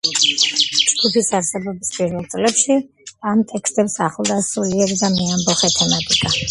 ჯგუფის არსებობის პირველ წლებში ამ ტექსტებს ახლდა სულიერი და მეამბოხე თემატიკა.